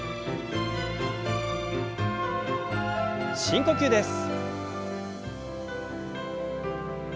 深呼吸です。